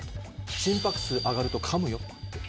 心拍数上がるとかむよって。